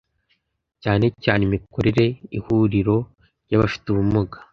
cyane cyane imikorere y Ihuriro ry abafite ubumuga